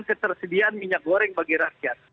ketersediaan minyak goreng bagi rakyat